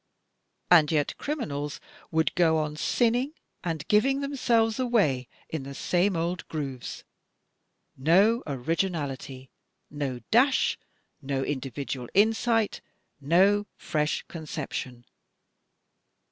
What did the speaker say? And yet criminals would go on sinning, and giving themselves away, in the same old grooves — no originality, no dash, no individual insight, no fresh conception